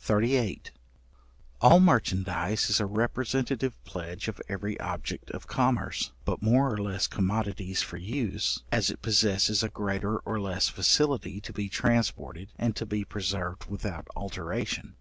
§38. All merchandize is a representative pledge of every object of commerce, but more or less commodities for use, as it possesses a greater or less facility to be transported, and to be preserved without alteration.